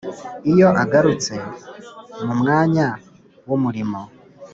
iyo agarutse mu mwanya w’umurimo